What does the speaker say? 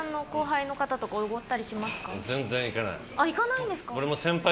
行かないんですか。